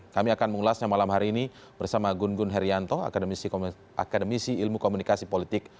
kami akan mengulasnya malam hari ini bersama gun gun herianto akademisi ilmu komunikasi politik